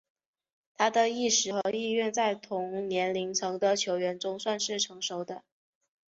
他的意识和意愿在同年龄层的球员中算是成熟的。